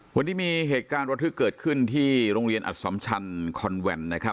วันนี้มีเหตุการณ์วัตถึกเกิดขึ้นที่โรงเรียนอัศวรรณชันคอนแวนด์